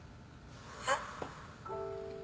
えっ？